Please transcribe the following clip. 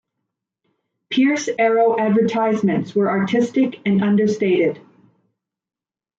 Pierce-Arrow advertisements were artistic and understated.